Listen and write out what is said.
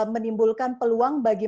menimbulkan peluang bagi